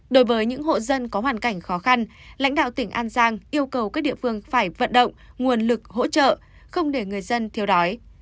đối với những hộ dân có hoàn cảnh khó khăn lãnh đạo tỉnh an giang yêu cầu các địa phương phải vận động nguồn lực hỗ trợ không để người dân thiếu đói